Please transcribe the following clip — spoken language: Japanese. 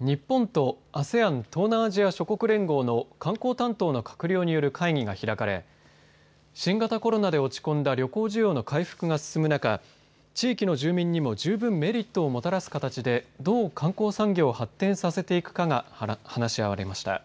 日本とＡＳＥＡＮ＝東南アジア諸国連合の観光担当の閣僚による会議が開かれ新型コロナで落ち込んだ旅行需要の回復が進む中地域の住民にも十分メリットをもたらす形でどう観光産業を発展させていくかが話し合われました。